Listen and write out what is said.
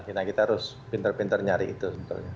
kita harus pintar pintar nyari itu sebetulnya